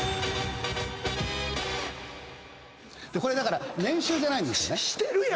これだから年収じゃないんですよね。